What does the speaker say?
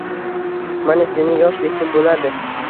Mana seni yosh desa bo`ladi